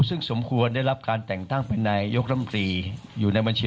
ซึ่งสมควรได้รับการแต่งตั้งเป็นนายกรมตรีอยู่ในบัญชี